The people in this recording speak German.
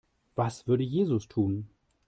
Was würde Jesus tun?